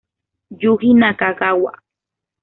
Yuji Nakagawa